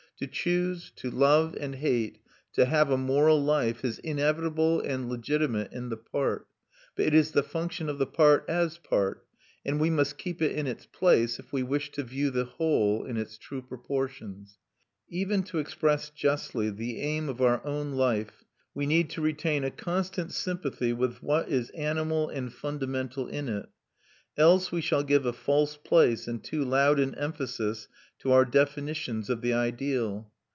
To choose, to love and hate, to have a moral life, is inevitable and legitimate in the part; but it is the function of the part as part, and we must keep it in its place if we wish to view the whole in its true proportions. Even to express justly the aim of our own life we need to retain a constant sympathy with what is animal and fundamental in it, else we shall give a false place, and too loud an emphasis, to our definitions of the ideal.